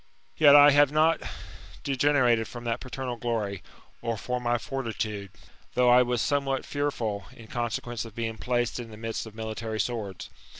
Yet I have not degenerated from that paternal glory, or from my fortitude, though I was somewhat fearful, in consequence of being placed in the midst of military swords.